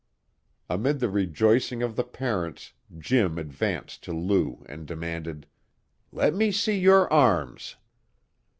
Amid the rejoicing of the parents Jim advanced to Lou and demanded: "Let me see your arms."